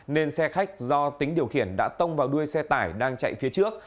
nên xe khách do tính điều khiển đã tông vào đuôi xe tải đang chạy phía trước